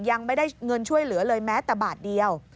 ยังไม่ได้เงินช่วยเหลือเลยแม้แต่บาทเดียว